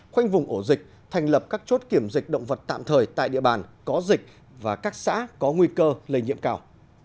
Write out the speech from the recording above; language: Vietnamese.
khoanh vùng ổ dịch thành lập các chốt kiểm dịch động vật tạm thời tại địa bàn có dịch và các xã có nguy cơ lây nhiễm cao